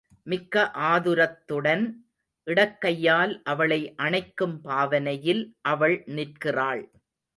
மிக்க ஆதுரத்துடன் இடக்கையால் அவளை அணைக்கும் பாவனையில் அவள் நிற்கிறாள்.